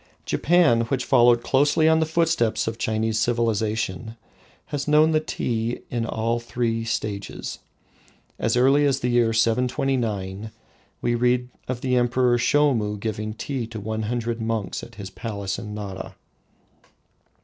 Japan, which followed closely on the footsteps of Chinese civilisation, has known the tea in all its three stages. As early as the year 729 we read of the Emperor Shomu giving tea to one hundred monks at his palace in Nara.